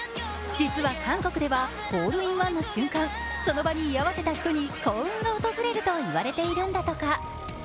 実は韓国ではホールインワンの瞬間、その場に居合わせた人に幸運が訪れるといわれているんだとか。